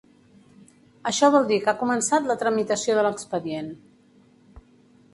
Això vol dir que ha començat la tramitació de l'expedient.